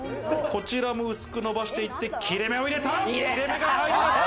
こちらも薄く伸ばしていって、切れ目を入れた。